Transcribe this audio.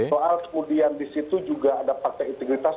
soal kemudian disitu juga ada partai integritas